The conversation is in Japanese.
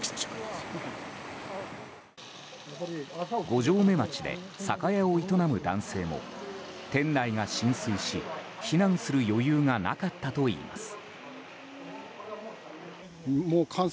五城目町で酒屋を営む男性も店内が浸水し避難する余裕がなかったといいます。